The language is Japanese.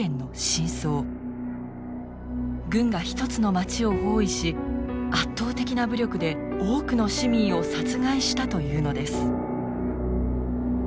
軍が一つの町を包囲し圧倒的な武力で多くの市民を殺害したというのです。